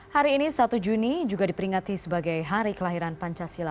hari ini satu juni juga diperingati sebagai hari kelahiran pancasila